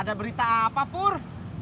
ada berita apa pur